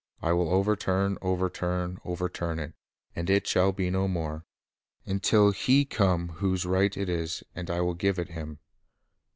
I will overturn, overturn, overturn it; and it shall be no more, until He come whose right it is; and I will give it Him."